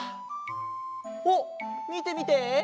あっみてみて！